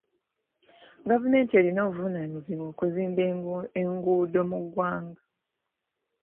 Gavumenti erina obuvunaanyizibwa okuzimba enguudo mu ggwanga.